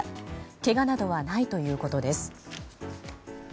けがなどはないということです。